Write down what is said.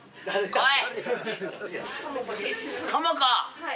来い！